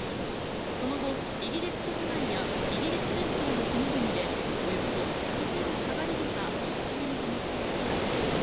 その後、イギリス国内やイギリス連邦の国々でおよそ３０００のかがり火が一斉にともされました。